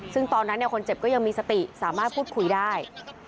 ซึ่งตอนนั้นคนเจ็บก็ยังมีสติสามารถพูดคุยได้